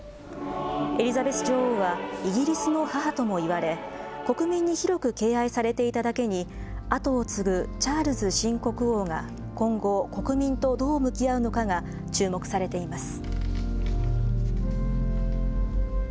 エリザベス女王はイギリスの母ともいわれ、国民に広く敬愛されていただけに、後を継ぐチャールズ新国王が今後、国民とどう向き合うのかが注目されています。